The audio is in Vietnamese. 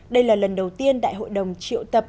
đây là lần đầu tiên đại hội đồng triệu tập